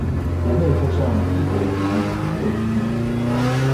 不會步上帝國主義侵略之路